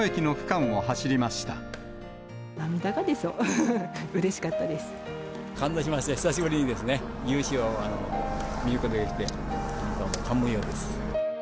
感動しました、久しぶりにですね、雄姿を見ることができて、感無量です。